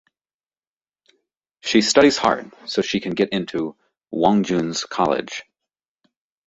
She studies hard so she can get into Hyung-Jun's college.